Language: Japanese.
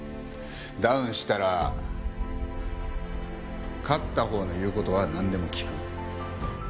ダウンしたら勝ったほうの言う事はなんでも聞く。